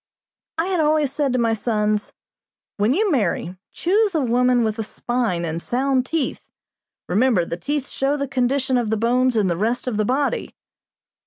I had always said to my sons: "When you marry, choose a woman with a spine and sound teeth; remember the teeth show the condition of the bones in the rest of the body."